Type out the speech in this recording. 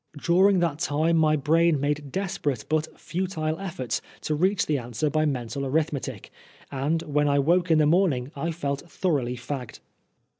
During that time my brain made desperate but futile efforts to reach the answer by mental arithmetic, and when I woke in the morning I felt thoroughly fagged.